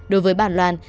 đối với bản loan